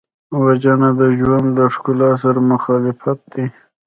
وژنه د ژوند له ښکلا سره مخالفت دی